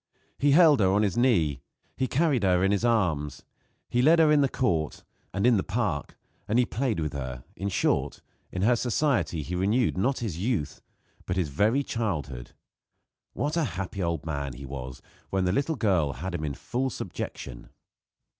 He held her on his knee; he carried her in his arms; he led her in the court and in the park, and he played with her; in short, in her society he renewed, not his youth, but his very childhood. What a happy old man he was when the little child had him in full subjection.